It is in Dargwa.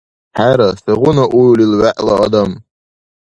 ХӀера, сегъуна уилил вегӀла адам!